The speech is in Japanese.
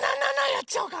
やっちゃおうか。